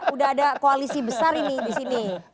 udah ada koalisi besar ini disini